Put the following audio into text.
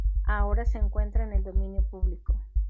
Ahora se encuentra en el dominio público.